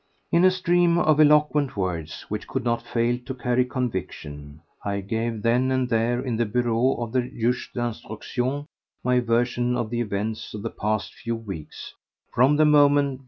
In a stream of eloquent words which could not fail to carry conviction, I gave then and there in the bureau of the juge d'instruction my version of the events of the past few weeks, from the moment when M.